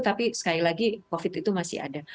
tapi sekali lagi covid itu masih ada